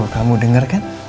kamu denger kan